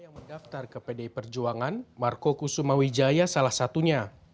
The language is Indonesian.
yang mendaftar ke pdi perjuangan marco kusuma wijaya salah satunya